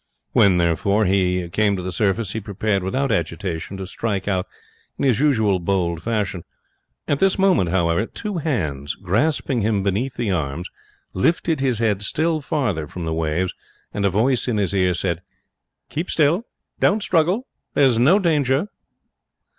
When, therefore, he came to the surface he prepared without agitation to strike out in his usual bold fashion. At this moment, however, two hands, grasping him beneath the arms, lifted his head still farther from the waves, and a voice in his ear said, 'Keep still; don't struggle. There's no danger.'